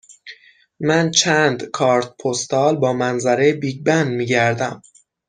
من چند کارت پستال با منظره بیگ بن می گردم.